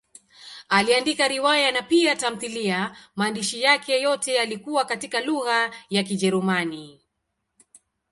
Aliandika riwaya na pia tamthiliya; maandishi yake yote yalikuwa katika lugha ya Kijerumani.